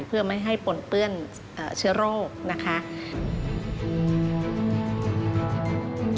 เพื่อไม่ให้ปนเปื้อนเชื้อโรคนะคะ